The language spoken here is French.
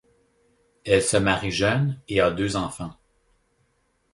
Elle se marie jeune et a deux enfants.